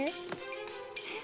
えっ？